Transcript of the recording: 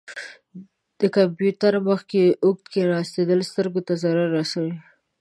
د کمپیوټر مخ کې اوږده کښیناستل سترګو ته ضرر رسوي.